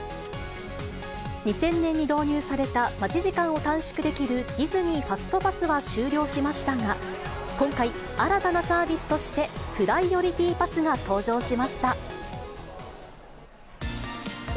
２０００年に導入された待ち時間を短縮できる、ディズニー・ファストパスは終了しましたが、今回、新たなサービスとして、プライオリティパスが登場しました。